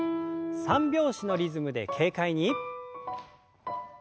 三拍子のリズムで軽快に。